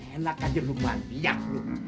enak aja rumah dia tuh